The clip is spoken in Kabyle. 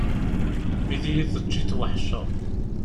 Mi d iyi-teǧǧiḍ weḥceɣ.